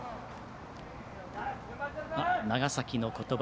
長崎の言葉